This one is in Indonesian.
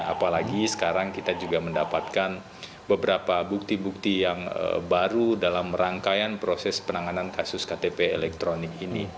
apalagi sekarang kita juga mendapatkan beberapa bukti bukti yang baru dalam rangkaian proses penanganan kasus ktp elektronik ini